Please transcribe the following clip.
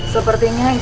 sepertinya istri bapak